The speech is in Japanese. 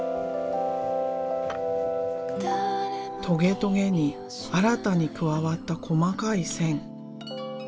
トゲトゲに新たに加わった細かい線。